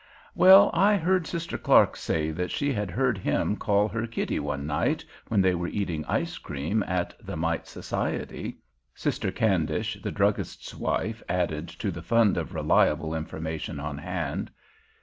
"Well, I heard Sister Clark say that she had heard him call her 'Kitty' one night when they were eating ice cream at the Mite Society," Sister Candish, the druggist's wife, added to the fund of reliable information on hand.